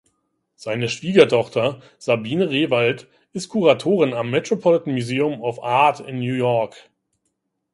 Seine Schwiegertochter, Sabine Rewald, ist Kuratorin am Metropolitan Museum of Art in New York.